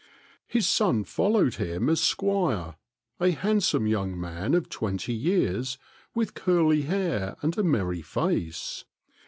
His son followed him as squire, a handsome young man of twenty years with curly hair and a merry face.